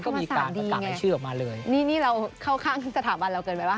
ก็มีการประกาศรายชื่อออกมาเลยนี่นี่เราเข้าข้างสถาบันเราเกินไปป่